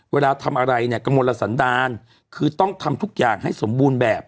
เวลาทำอะไรเนี่ยกระมวลสันดาลคือต้องทำทุกอย่างให้สมบูรณ์แบบ